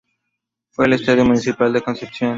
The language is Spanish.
Fue el Estadio Municipal de Concepción.